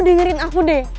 udah ngeriin aku deh